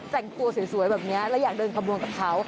แต่งตัวสวยแบบนี้แล้วอยากเดินขบวนกับเขา